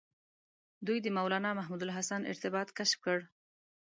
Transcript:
دوی د مولنا محمود الحسن ارتباط کشف کړ.